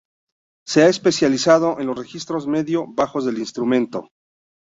Se ha especializado en los registros medio-bajos del instrumento.